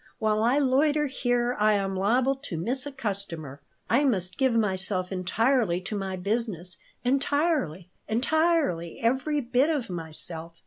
While I loiter here I am liable to miss a customer. I must give myself entirely to my business, entirely, entirely every bit of myself.